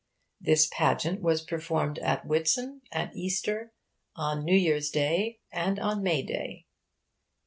This 'pageant' was performed at Whitsun, at Easter, on New Year's day, and on May day.